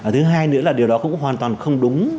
thứ hai nữa là điều đó cũng hoàn toàn không đúng